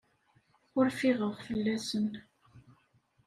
Ur ffiɣeɣ fell-asen.